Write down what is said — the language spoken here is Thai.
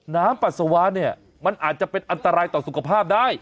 ปัสสาวะเนี่ยมันอาจจะเป็นอันตรายต่อสุขภาพได้